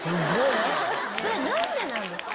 それは何でなんですか？